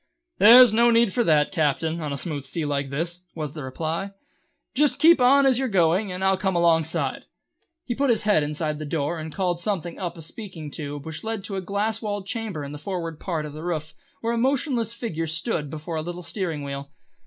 "There's no need for that, Captain, on a smooth sea like this," was the reply. "Just keep on as you are going and I'll come alongside." He put his head inside the door and called something up a speaking tube which led to a glass walled chamber in the forward part of the roof, where a motionless figure stood before a little steering wheel.